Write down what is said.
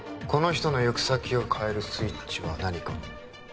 この人の行く先を変えるスイッチは何か？